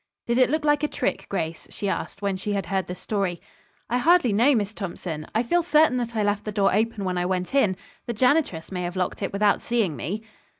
"Did it look like a trick, Grace?" she asked when she had heard the story. "I hardly know, Miss Thompson. I feel certain that I left the door open when I went in. The janitress may have locked it without seeing me."